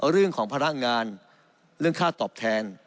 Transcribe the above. เรื่องของพลังงานเรื่องค่าตอบแทน